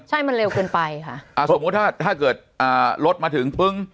ใช่มันเร็วเกินไปค่ะสมมุติถ้าเกิดรถมาถึงพึ้ง